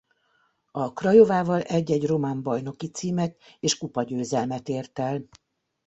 A Craiovával egy-egy román bajnoki címet és kupagyőzelmet ért el.